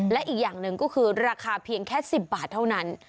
และอีกอย่างหนึ่งก็คือราคาเพียงแค่๑๐บาทเท่านั้น